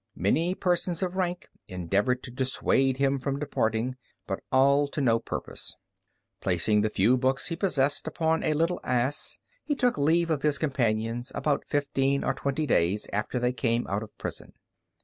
Many persons of rank endeavored to dissuade him from departing, but all to no purpose. Placing the few books he possessed upon a little ass, he took leave of his companions about fifteen or twenty days after they came out of prison.